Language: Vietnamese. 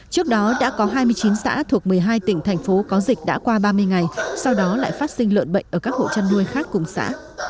trước đó đã có hai mươi chín xã thuộc một mươi hai tỉnh thành phố có dịch đã qua ba mươi ngày sau đó lại phát sinh lợn bệnh ở các hộ chăn nuôi khác cùng xã